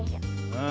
うん。